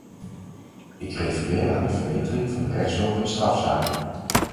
Ik refereer aan de verbetering van de rechtshulp in strafzaken.